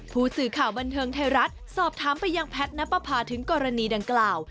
ผู้สื่อข่าวบันเทิงไทยรัฐสอบถามไปยังแพทย์นับประพาถึงกรณีดังกล่าว